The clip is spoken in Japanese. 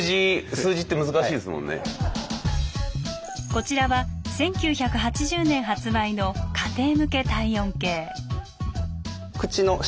こちらは１９８０年発売の家庭向け体温計。